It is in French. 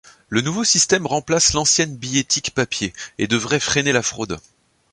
Le nouveau système remplace l'ancienne billettique papier, et devrait freiner la fraude.